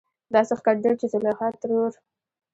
داسې ښکارېدل چې زليخا ترور